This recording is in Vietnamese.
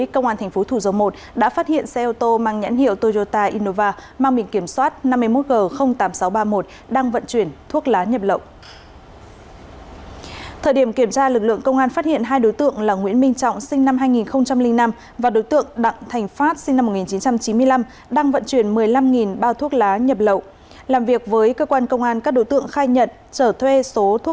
khi đi qua tỉnh bình dương bị lực lượng công an phát hiện và bắt giữ